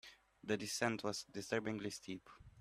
The descent was disturbingly steep.